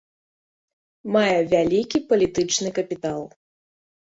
Мае вялікі палітычны капітал.